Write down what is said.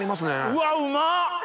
うわうまっ！